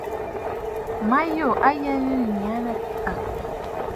Ma yû a yə nɨ̂ yiʼi aa nɨ̂ àkə̀?